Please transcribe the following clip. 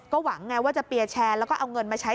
หวังไงว่าจะเปียร์แชร์แล้วก็เอาเงินมาใช้